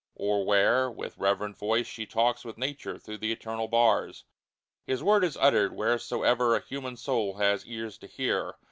Or where, with reverent voice, she talks With Nature through the eternal bars ! His Word is uttered wheresoe'er A human soul has ears to hear.